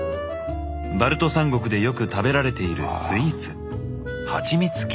バルト三国でよく食べられているスイーツ。